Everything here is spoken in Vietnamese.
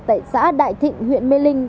tại xã đại thịnh huyện mê linh